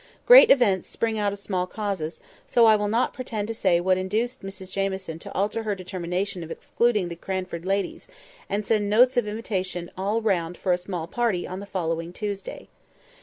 Great events spring out of small causes; so I will not pretend to say what induced Mrs Jamieson to alter her determination of excluding the Cranford ladies, and send notes of invitation all round for a small party on the following Tuesday.